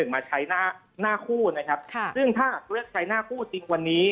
๔๒๓๑มาใช้หน้าคู่นะครับซึ่งถ้าเลือกใช้หน้าคู่จริงวันนี้